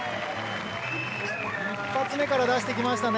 １発目から出してきましたね